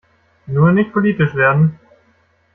Nur nicht politisch werden!